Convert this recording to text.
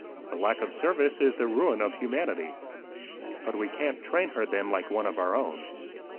The lack of service is the ruin of humanity." "But we can't train her then like one of our own."